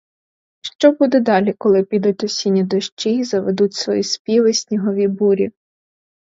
Що буде далі, коли підуть осінні дощі й заведуть свої співи снігові бурі?